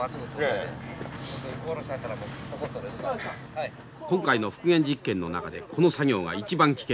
今回の復元実験の中でこの作業が一番危険で気を遣う作業です。